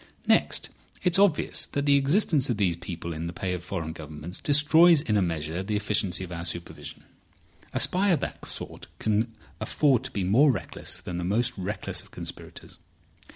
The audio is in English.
Next, it's obvious that the existence of these people in the pay of foreign governments destroys in a measure the efficiency of our supervision. A spy of that sort can afford to be more reckless than the most reckless of conspirators.